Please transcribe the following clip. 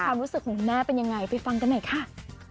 ความรู้สึกของคุณแม่เป็นยังไงไปฟังกันหน่อยค่ะ